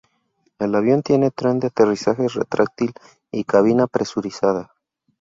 El avión tiene tren de aterrizaje retráctil y cabina presurizada.